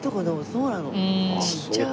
そうなの。